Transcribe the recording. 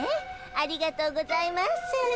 ありがとうございます。